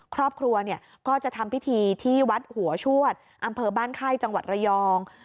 ครอบครัวก็จะทำพิธีที่วัดหัวชวดอำเภอบ้านไข้จังหวัดระยอง